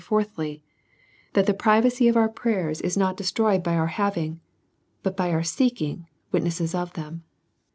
Fourthly, That the privacy of our prayers, is not destroyed by our having, but by dur seeking witnesses of them.